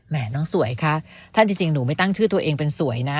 น้องสวยคะถ้าจริงหนูไม่ตั้งชื่อตัวเองเป็นสวยนะ